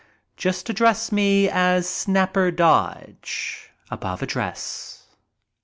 Just address me as Snapper Dodge, above address.